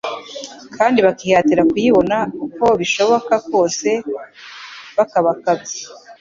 kandi "bakihatira kuyibona uko bishoboka kose bakabakabye"